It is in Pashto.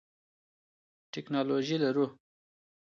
ټکنالوژي لرو.